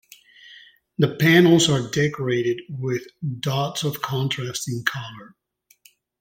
The panels are decorated with dots of contrasting colors.